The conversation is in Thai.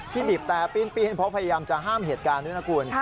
บีบแต่ปีนเพราะพยายามจะห้ามเหตุการณ์ด้วยนะคุณ